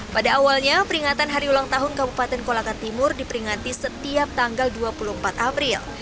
pada awalnya peringatan hari ulang tahun kabupaten kolaka timur diperingati setiap tanggal dua puluh empat april